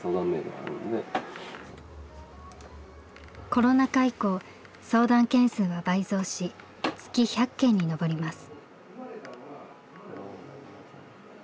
コロナ禍以降相談件数は倍増し月１００件に上ります。